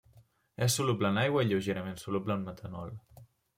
És soluble en aigua i lleugerament soluble en metanol.